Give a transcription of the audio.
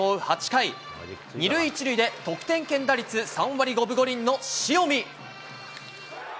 ８回、２塁１塁で得点圏打率３割５分５厘の塩見。